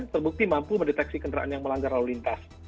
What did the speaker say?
terbukti mampu mendeteksi kendaraan yang melanggar lalu lintas